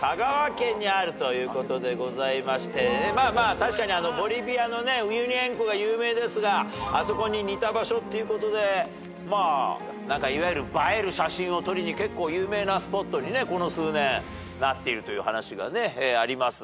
確かにボリビアのねウユニ塩湖が有名ですがあそこに似た場所っていうことでいわゆる映える写真を撮りに結構有名なスポットにこの数年なっているという話があります。